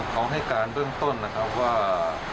ของให้การเริ่มต้นนะครับว่า